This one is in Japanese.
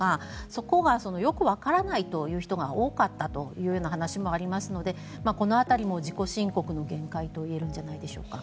そこがよくわからないという人が多かったというような話もありますのでこの辺りも自己申告の限界といえるんじゃないでしょうか。